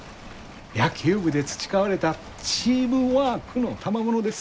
野球部で培われたチームワークのたまものです。